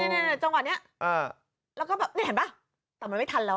นี่จังหวะนี้แล้วก็แบบนี้เห็นป่ะแต่มันไม่ทันแล้ว